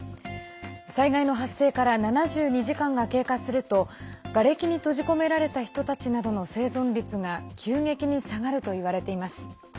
災害の発生から７２時間が経過するとがれきに閉じ込められた人たちなどの生存率が急激に下がるといわれています。